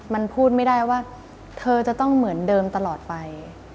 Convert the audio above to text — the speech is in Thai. มันพูดไม่ได้ว่าเธอจะต้องเหมือนเดิมตลอดไป